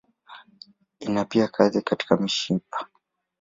Ina pia kazi katika mishipa.